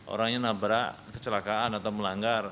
orang yang nabrak kecelakaan atau melanggar